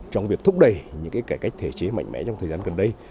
trong việc thúc đẩy những cải cách thể chế mạnh mẽ trong thời gian gần đây